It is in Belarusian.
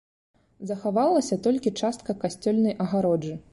Захавалася толькі частка касцёльнай агароджы.